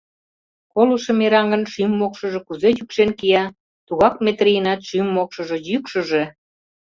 Колышо мераҥын шӱм-мокшыжо кузе йӱкшен кия, тугак Метрийынат шӱм-мокшыжо йӱкшыжӧ!